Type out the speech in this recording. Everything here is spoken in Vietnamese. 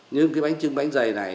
nhưng cái bánh chưng bánh dày này